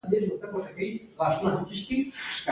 هیڅ منطق یې په نظر کې نه دی نیولی.